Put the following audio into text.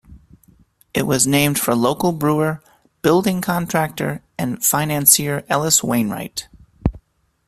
It was named for local brewer, building contractor, and financier Ellis Wainwright.